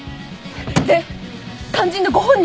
で肝心のご本人は？